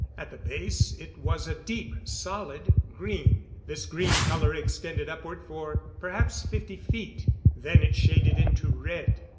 At the base it was a deep, solid green. This green color extended upward for perhaps fifty feet, then it shaded into red.